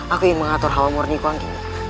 aku ingin mengatur halamu anggini